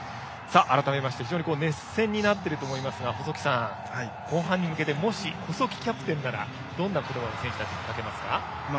改めまして、非常に熱戦になっていると思いますが細木さん、後半に向けてもし細木キャプテンならどんな言葉を選手たちにかけますか？